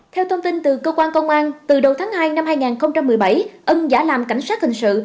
theo thông tin từ cơ quan công an từ đầu tháng hai năm hai nghìn một mươi bảy ân giả làm cảnh sát hình sự